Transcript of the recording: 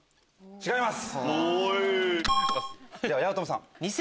違います。